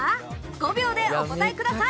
５秒でお答えください。